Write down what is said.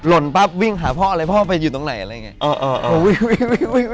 ปั๊บวิ่งหาพ่ออะไรพ่อไปอยู่ตรงไหนอะไรอย่างนี้